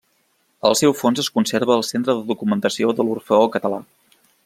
El seu fons es conserva al Centre de Documentació de l'Orfeó Català.